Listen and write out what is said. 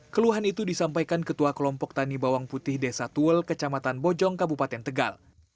keluhan itu disampaikan ketua kelompok tani bawang putih desa tuwel kecamatan bojong kabupaten tegal